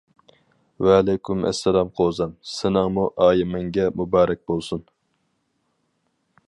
-ۋەئەلەيكۇم ئەسسالام قوزام، سېنىڭمۇ ئايىمىڭگە مۇبارەك بولسۇن!